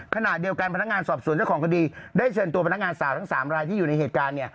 ขณะเดียวกันพนักงานสอบสวนเจ้าของคดีได้เชิญตัวพนักงานสาวทั้ง๓รายที่อยู่ในเหตุการณ์